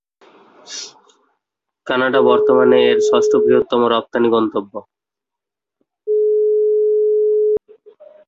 Canada বর্তমানে এর ষষ্ঠ বৃহত্তম রপ্তানি গন্তব্য।